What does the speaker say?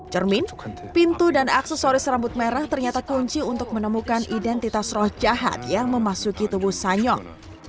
cermin pintu dan aksesoris rambut merah ternyata kunci untuk menemukan identitas roh jahat yang memasuki tubuh sanyong